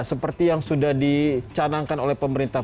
seperti yang sudah dicanangkan oleh pemerintah